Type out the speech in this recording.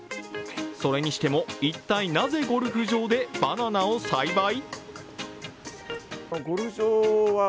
それにしても、一体なぜゴルフ場でバナナを栽培？